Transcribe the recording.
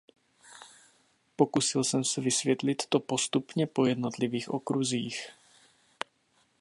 Pokusil jsem se vysvětlit to postupně po jednotlivých okruzích.